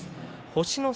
星の差